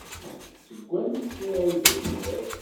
Seg wansi ay d-tusiḍ?